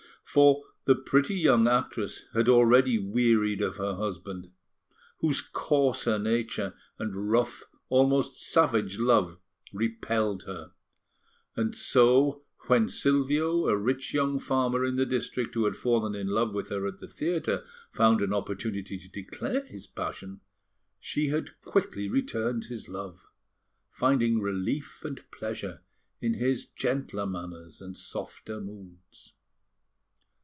For the pretty young actress had already wearied of her husband, whose coarser nature, and rough, almost savage love, repelled her; and so, when Silvio, a rich young farmer in the district who had fallen in love with her at the theatre, found an opportunity to declare his passion, she had quickly returned his love, finding relief and pleasure in his gentler manners and softer moods.